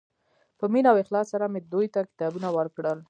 په مینه او اخلاص سره مې دوی ته کتابونه ورکړل.